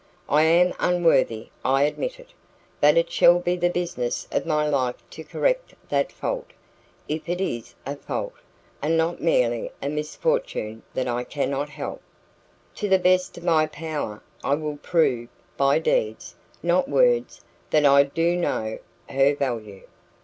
I am unworthy I admit it; but it shall be the business of my life to correct that fault if it is a fault, and not merely a misfortune that I cannot help. To the best of my power I will prove by deeds, not words that I do know her value."